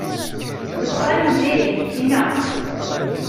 Ddexxan diri-t, ineqq.